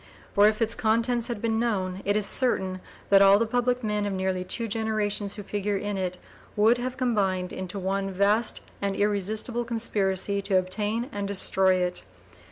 For if its contents had been known, it is certain that all the public men of nearly two generations who figure in it would have combined into one vast and irresistible conspiracy to obtain and destroy it.